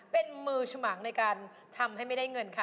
เป็นมือฉมางในการทำให้ไม่ได้เงินค่ะ